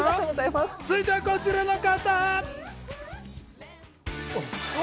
続いてはこちらの方。